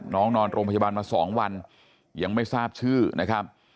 นอนโรงพยาบาลมา๒วันยังไม่ทราบชื่อนะครับ